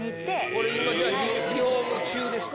これ今じゃあリフォーム中ですか？